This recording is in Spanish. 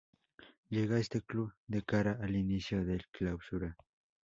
Llega a este club de cara al inicio del Clausura.